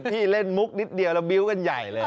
เล่นมุกนิดเดียวแล้วบิ้วกันใหญ่เลย